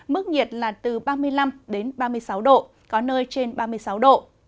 mức nhiệt là từ ba mươi năm đến ba mươi sáu độ có nơi trên ba mươi sáu độ